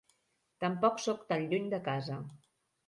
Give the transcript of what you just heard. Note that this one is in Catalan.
Tampoc soc tan lluny de casa.